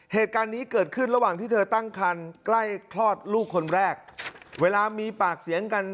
เหตุการณ์นี้เกิดขึ้นระหว่างที่เธอตั้งคันใกล้คลอดลูกคนแรกเวลามีปากเสียงกัน